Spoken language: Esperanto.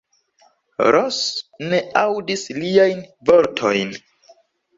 Ros ne aŭdis liajn vortojn.